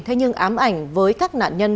thế nhưng ám ảnh với các nạn nhân